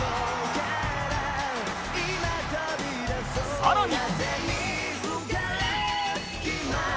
［さらに］